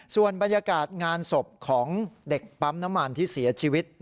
ส่วนบรรยากาศงานศพของเด็กปั๊มน้ำมันที่เสียชีวิต